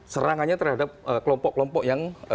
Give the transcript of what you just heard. serangannya terhadap kelompok kelompok yang